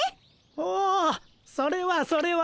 おおそれはそれは。